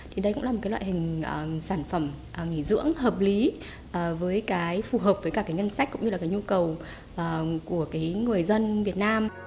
thì đây cũng là một cái loại hình sản phẩm nghỉ dưỡng hợp lý với cái phù hợp với cả cái ngân sách cũng như là cái nhu cầu của cái người dân việt nam